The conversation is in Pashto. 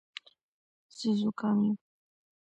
زه زوکام یم